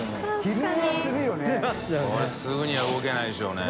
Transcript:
海すぐには動けないでしょうね。